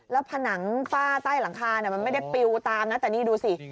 แล้วผนังฝ้าใต้หลังคามันไม่ได้ปิวตามนะแต่นี่ดูสิ